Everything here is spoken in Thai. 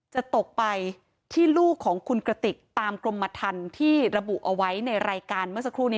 จะตกไปที่ลูกของคุณกระติกตามกรมทันที่ระบุเอาไว้ในรายการเมื่อสักครู่นี้